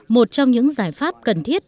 một trong những giải pháp cần thiết